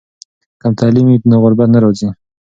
که تعلیم وي نو غربت نه راځي.